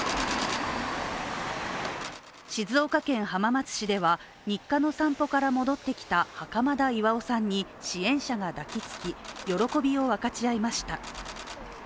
静岡県浜松市では日課の散歩から戻ってきた袴田巌さんに支援者が抱きつき、喜びを分かち合いました。